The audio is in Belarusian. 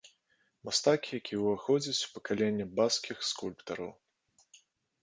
Мастак, які ўваходзіць у пакаленне баскскіх скульптараў.